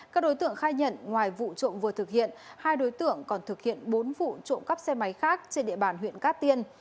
các đối tượng khai nhận ngoài vụ trộm vừa thực hiện hai đối tượng còn thực hiện bốn vụ trộm cắp xe máy khác trên địa bàn huyện cát tiên